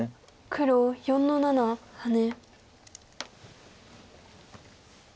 黒４の七ハネ。